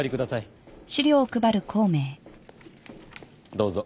どうぞ。